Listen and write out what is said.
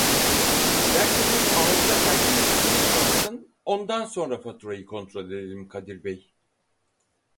Dilerseniz arıza kaydınız sonuçlansın ondan sonra faturayı kontrol edelim Kadir bey